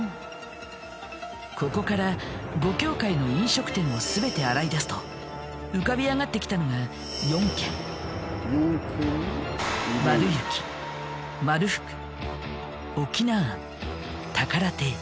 ここから五協会の飲食店を全て洗い出すと浮かび上がってきたのが丸雪丸福翁庵宝亭。